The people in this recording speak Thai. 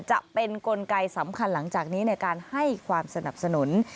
จะเป็นกลไกสำคัญหลังจากนี้ในการให้ความสนับสนุน